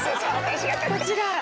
こちら。